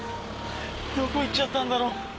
どこ行っちゃったんだろう。